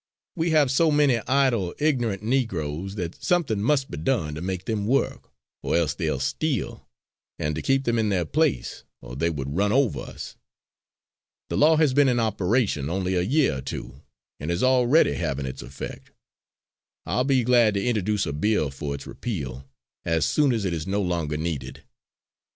We have so many idle, ignorant Negroes that something must be done to make them work, or else they'll steal, and to keep them in their place, or they would run over us. The law has been in operation only a year or two, and is already having its effect. I'll be glad to introduce a bill for its repeal, as soon as it is no longer needed.